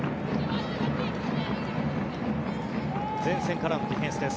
前線からのディフェンスです。